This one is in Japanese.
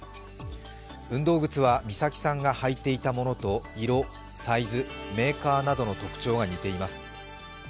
運動靴は美咲さんが履いていたものと色、サイズ、メーカーなどの特徴が似ています。